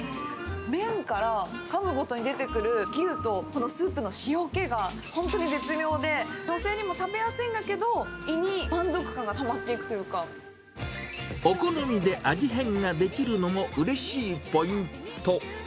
麺からかむごとに出てくる牛とこのスープの塩気が本当に絶妙で、女性にも食べやすいんだけど、胃に満足感がたまっていくというお好みで味変ができるのもうれしいポイント。